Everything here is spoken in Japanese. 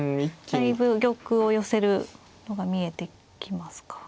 だいぶ玉を寄せるのが見えてきますか。